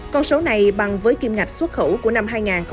con số này bằng với kim ngạch xuất khẩu của năm hai nghìn hai mươi ba